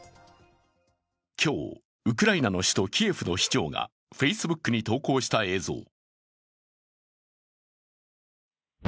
今日、ウクライナの首都キエフの市長がＦａｃｅｂｏｏｋに投稿した映像。